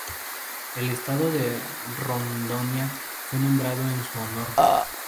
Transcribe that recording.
El estado de Rondônia fue nombrado en su honor.